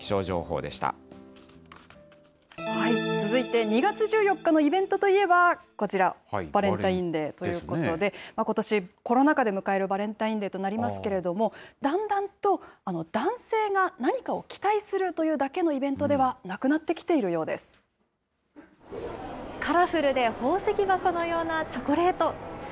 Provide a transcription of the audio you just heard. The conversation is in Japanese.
続いて、２月１４日のイベントといえばこちら、バレンタインデーということで、ことし、コロナ禍で迎えるバレンタインデーとなりますけれども、だんだんと、男性が何かを期待するというだけのイベントではなくなってきカラフルで宝石箱のようなチョコレート。